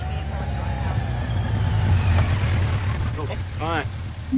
はい。